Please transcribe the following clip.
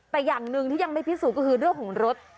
แต่อย่างหนึ่งที่ยังไม่พิสูจนก็คือเรื่องของรถ